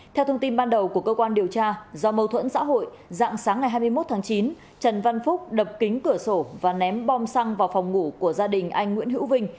theo thông tin ban đầu của cơ quan điều tra do mâu thuẫn xã hội dạng sáng ngày hai mươi một tháng chín trần văn phúc đập kính cửa sổ và ném bom xăng vào phòng ngủ của gia đình anh nguyễn hữu vinh